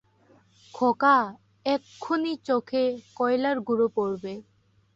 খোকা, এখখুনি চোখে কয়লার গুঁড়ো পড়বে।